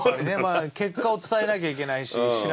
結果を伝えなきゃいけないし。